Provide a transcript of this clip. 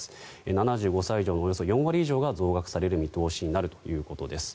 ７５歳以上のおよそ４割以上が増額される見通しになるということです。